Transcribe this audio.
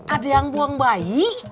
ada yang buang bayi